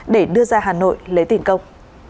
để đưa ra hà nội lấy tiền công